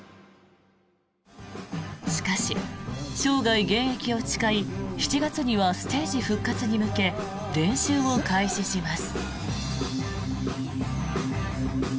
しかし、生涯現役を誓い７月にはステージ復帰に向け練習を開始します。